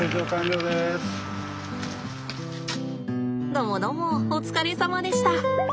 どもどもお疲れさまでした。